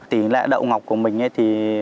tỉ lệ đậu ngọc của mình thì